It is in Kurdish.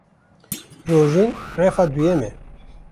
Rojîn refa duyem e.